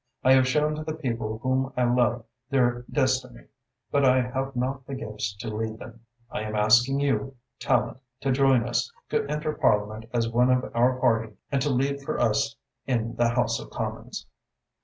I have shown to the people whom I love their destiny, but I have not the gifts to lead them. I am asking you, Tallente, to join us, to enter Parliament as one of our party and to lead for us in the House of Commons."